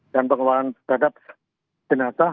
dan pengeluaran terhadap jenazah